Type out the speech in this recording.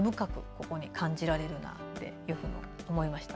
ここに感じられるなって思いました。